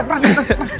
pak pak pak